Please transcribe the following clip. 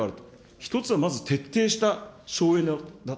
１つはまず徹底した省エネだと。